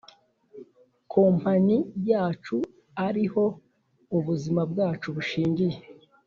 company yacu ariho ubuzima bwacu bushingiye.